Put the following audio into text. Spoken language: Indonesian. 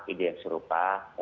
ide yang serupa